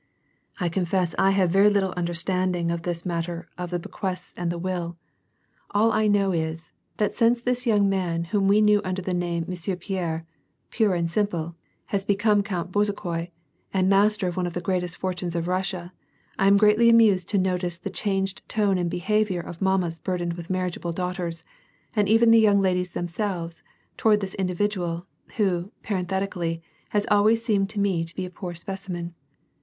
"I confess I have very little understanding of this mat 108 W^^^ ^ V2> PEACE. ter of the beqaests and the will ; all I know is, that since this young man whom we knew under the name of Monsieur Pierre, pure and simple, has liecome Count Bezukhoi and mas ter of one of the greatest fortunes of Kussia, I am greatly amused to notice the changed tone and behavior of mammas burdened with marriageable daughters, and even the young ladies themselves, towwl this individual, who, parenthetically, has always seemed to me to be a poor specimen.